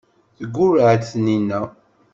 Teggurreɛ-d Taninna.